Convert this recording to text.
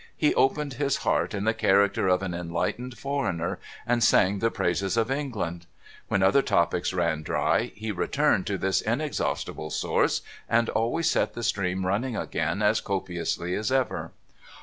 He opened his heart in the character of an enlightened foreigner, and sang the praises of England. \\'hen other topics ran dry, he returned to this inexhaustible source, and always set the stream running again as copiously as ever.